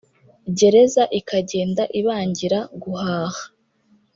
Gereza ikagenda ibangira guhaha